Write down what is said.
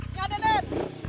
iya dan dan